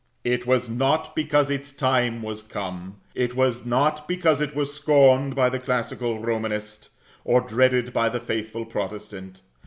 It was not because its time was come; it was not because it was scorned by the classical Romanist, or dreaded by the faithful Protestant.